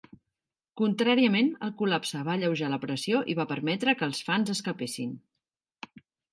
Contràriament, el col·lapse va alleujar la pressió i va permetre que els fans escapessin.